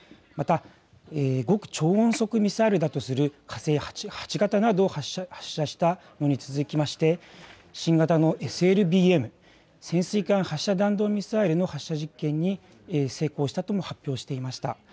また極超音速ミサイルだとする火星８型などを発射したのに続きまして新型のＳＬＢＭ・潜水艦発射弾道ミサイルの発射実験に成功したとも発表していました。